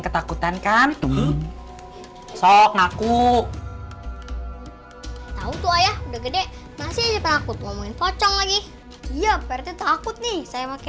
ketakutan kantrung sok ngaku tahu toleng enak masjid terlalu performa iyi iya pertengah akunnya kaya makin dua